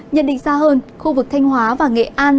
nhận định xa hơn khu vực thanh hóa và nghệ an